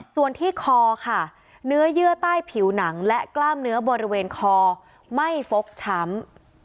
ส่วนที่คอค่ะเนื้อเยื่อใต้ผิวหนังและกล้ามเนื้อบริเวณคอไม่ฟกช้ำ